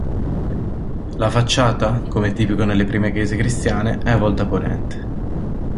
La facciata, come tipico nelle prime chiese cristiane, è volta a ponente.